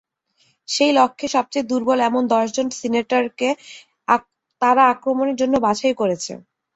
সেই লক্ষ্যে সবচেয়ে দুর্বল এমন দশজন সিনেটরকে তারা আক্রমণের জন্য বাছাই করেছে।